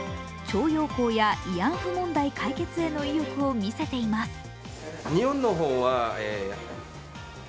徴用工や慰安婦問題解決への意欲を見せています。